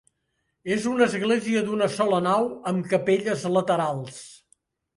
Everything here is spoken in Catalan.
És una església d'una sola nau, amb capelles laterals.